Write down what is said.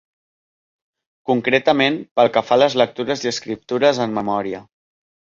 Concretament, pel que fa a les lectures i escriptures en memòria.